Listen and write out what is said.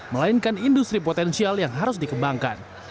melainkan industri potensial yang harus dikembangkan